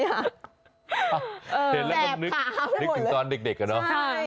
เห็นแล้วก็นึกถึงตอนเด็กอะเนาะ